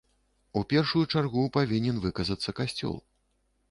У першую чаргу павінен выказацца касцёл.